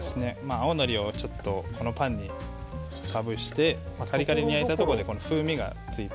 青のりをパンにまぶしてカリカリに焼いたところで風味がついて。